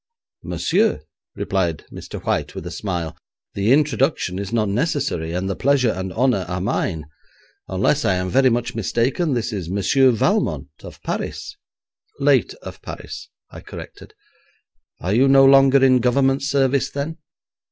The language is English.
'Monsieur,' replied Mr. White with a smile, 'the introduction is not necessary, and the pleasure and honour are mine. Unless I am very much mistaken, this is Monsieur Valmont of Paris?' 'Late of Paris,' I corrected. 'Are you no longer in Government service then?'